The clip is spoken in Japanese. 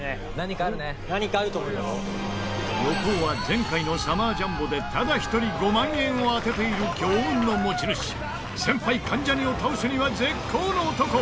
横尾は前回のサマージャンボでただ一人、５万円を当てている強運の持ち主先輩・関ジャニを倒すには絶好の男！